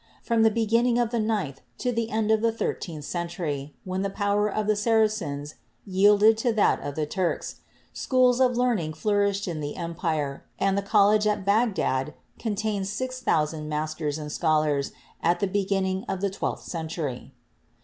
From the beginning of the ninth to the end of the thirteenth century, when the power of the Saracens yielded to that of the Turks, schools of learning flourished in the empire, and the college at Bag dad contained 6,000 masters and scholars at the beginning of the twelfth century.